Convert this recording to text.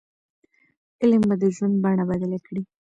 علم به د ژوند بڼه بدله کړي.